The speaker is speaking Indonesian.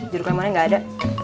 jeruk lemonnya gak ada